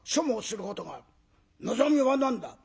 「望みは何だ？」。